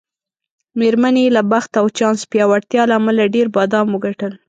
میرمنې یې له بخت او چانس پیاوړتیا له امله ډېر بادام وګټل.